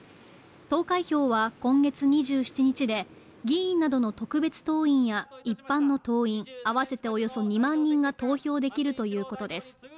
投開票は、今月２７日で議員などの特別党員や一般の党員、合わせておよそ２万人が投票できるということです。